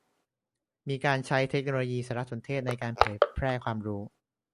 มีการใช้เทคโนโลยีสารสนเทศในการเผยแพร่ความรู้